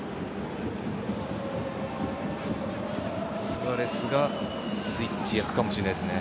スアレスがスイッチ役かもしれないですね。